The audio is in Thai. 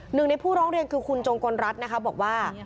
หนึ่งในผู้ร้องเรียนคือคุณจงกลรัฐนะคะบอกว่า